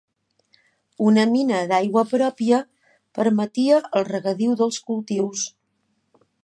Una mina d'aigua pròpia permetia el regadiu dels cultius.